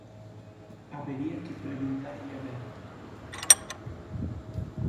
Habería que preguntarlle a ver.